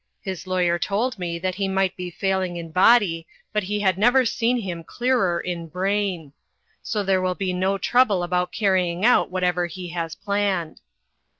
His lawyer told me that he might be failing in body, but he had never seen him clearer in brain. So there will be no trouble about carrying out whatever he has planned."